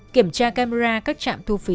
kiểm tra camera các trạm thu phí